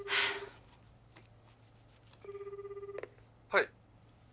はい。